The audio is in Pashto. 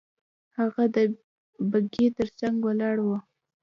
هغه د بګۍ تر څنګ ولاړ وو.